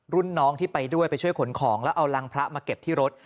รุ่นน้องที่ไปด้วยไปช่วยขนของแล้วเอารังพระมาเก็บที่รถ